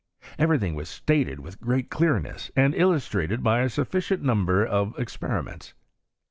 Every thinj was staled with great clearness, and illustrated by a sufficient number of experiments.